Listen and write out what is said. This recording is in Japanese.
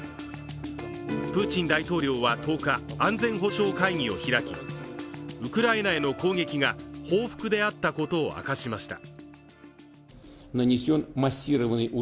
プーチン大統領は１０日、安全保障会議を開きウクライナへの攻撃が報復であったことを明かしました。